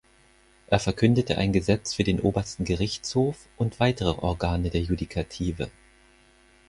Er verkündete ein Gesetz für den obersten Gerichtshof und weitere Organe der Judikative.